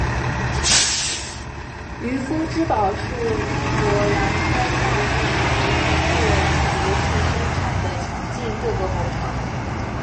渔夫之宝是英国兰开夏郡弗利特伍德市生产的强劲薄荷喉糖。